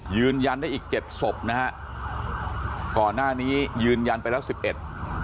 ยืนยันได้อีกเจ็ดศพนะฮะก่อนหน้านี้ยืนยันไปแล้วสิบเอ็ด